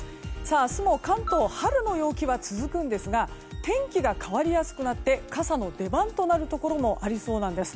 明日も関東、春の陽気は続くんですが天気が変わりやすくなって傘の出番となるところもありそうなんです。